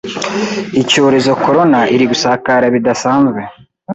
icyorezo corona iri gusakara bidasanzwe